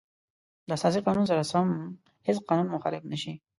د اساسي قانون سره سم هیڅ قانون مخالف نشي.